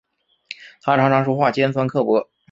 她常常说话尖酸刻薄